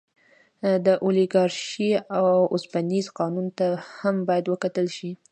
د اولیګارشۍ اوسپنیز قانون ته هم باید وکتل شي.